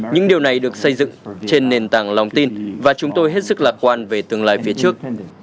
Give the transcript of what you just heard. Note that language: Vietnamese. những điều này được xây dựng trên nền tảng lòng tin và chúng tôi hết sức lạc quan về tương lai phía trước